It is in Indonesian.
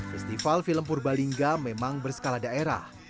festival film purbalingga memang berskala daerah